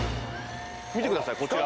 見てくださいこちら。